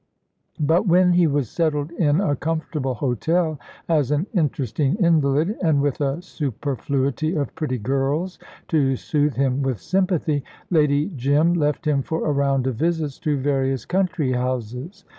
But when he was settled in a comfortable hotel as an interesting invalid, and with a superfluity of pretty girls to soothe him with sympathy, Lady Jim left him for a round of visits to various country houses.